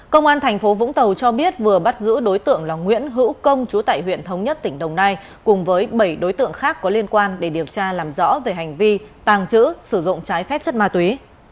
công an thành phố vũng tàu cho biết vừa bắt giữ đối tượng là nguyễn hữu công chú tại huyện thống nhất tỉnh đồng nai cùng với bảy đối tượng khác có liên quan để điều tra làm rõ về hành vi tàng trữ sử dụng trái phép chất ma túy